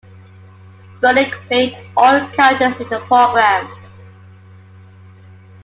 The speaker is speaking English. Burdick played all characters in the program.